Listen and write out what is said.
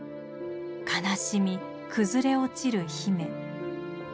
悲しみ崩れ落ちるヒメ。